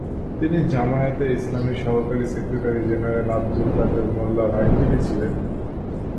তিনি জামায়াতে ইসলামীর সহকারী সেক্রেটারি জেনারেল আবদুল কাদের মোল্লার আইনজীবী ছিলেন।